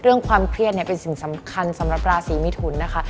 ความเครียดเนี่ยเป็นสิ่งสำคัญสำหรับราศีมิถุนนะคะ